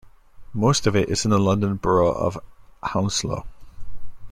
Most of it is in the London Borough of Hounslow.